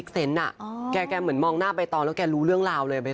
เซนต์แกเหมือนมองหน้าใบตองแล้วแกรู้เรื่องราวเลย